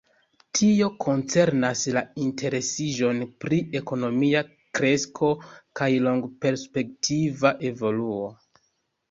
Tio koncernas la interesiĝon pri ekonomia kresko kaj longperspektiva evoluo.